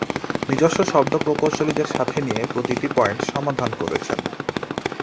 নিজস্ব শব্দ প্রকৌশলীদের সাথে নিয়ে প্রতিটি পয়েন্ট সমাধান করেছেন।